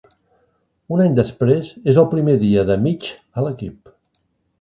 Un any després, és el primer dia de Mitch a l'equip.